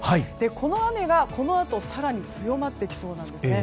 この雨がこのあと更に強まってきそうなんです。